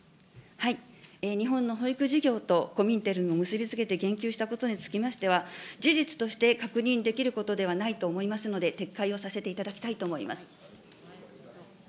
日本の保育事業とコミンテルンを結び付けて言及したことにつきましては、事実として確認できることではないと思いますので、撤回をさせていただきたいと思います。